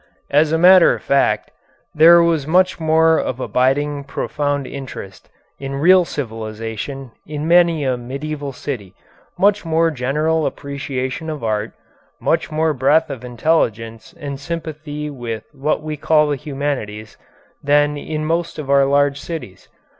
As a matter of fact, there was much more of abiding profound interest in real civilization in many a medieval city, much more general appreciation of art, much more breadth of intelligence and sympathy with what we call the humanities, than in most of our large cities.